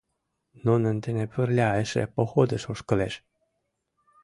Нунын дене пырля эше походыш ошкылеш!